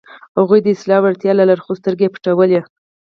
هغوی د اصلاح وړتیا لرله، خو سترګې یې پټولې.